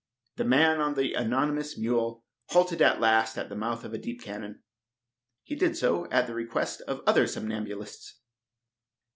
The man on the anonymous mule halted at last at the mouth of a deep canon. He did so at the request of other somnambulists.